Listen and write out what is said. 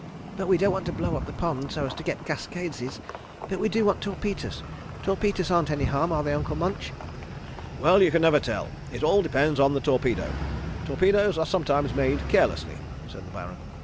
"But we don't want to blow up ponds so as to get cascadeses, but we do want torpeters. Torpeters aren't any harm, are they, Uncle Munch?" "Well, you can never tell. It all depends on the torpedo. Torpedoes are sometimes made carelessly," said the Baron.